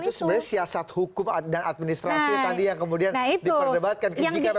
jadi itu sebenarnya siasat hukum dan administrasi tadi yang kembali